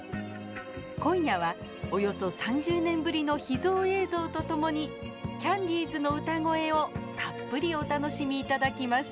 今夜はおよそ３０年ぶりの秘蔵映像と共にキャンディーズの歌声をたっぷりお楽しみ頂きます。